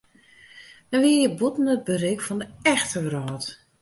Men wie hjir bûten it berik fan de echte wrâld.